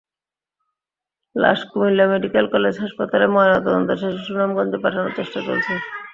লাশ Comilla medical college হাসপাতালে ময়নাতদন্ত শেষে সুনামগঞ্জে পাঠানোর চেষ্টা চলছে।